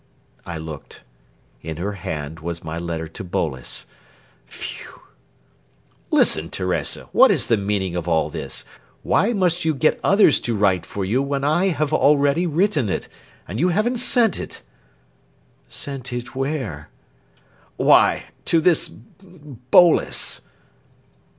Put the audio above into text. I looked. In her hand was my letter to Boles. Phew! "Listen, Teresa! What is the meaning of all this? Why must you get others to write for you when I have already written it, and you haven't sent it?" "Sent it where?" "Why, to this Boles."